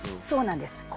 そうなんです。